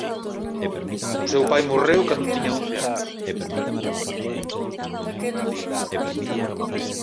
O seu pai morreu cando tiña once anos.